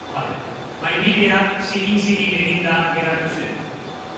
Maindirea zikin-zikin eginda geratu zen.